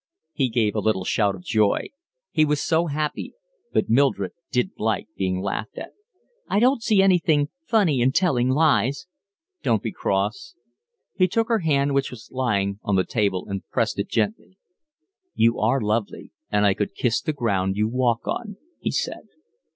He gave a little shout of joy. He was so happy. But Mildred didn't like being laughed at. "I don't see anything funny in telling lies." "Don't be cross." He took her hand, which was lying on the table, and pressed it gently. "You are lovely, and I could kiss the ground you walk on," he said.